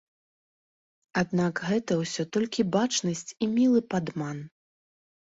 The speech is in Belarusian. Аднак гэта ўсё толькі бачнасць і мілы падман.